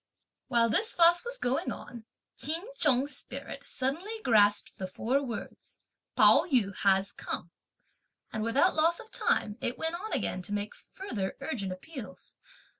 While this fuss was going on, Ch'in Chung's spirit suddenly grasped the four words, "Pao yü has come," and without loss of time, it went on again to make further urgent appeals.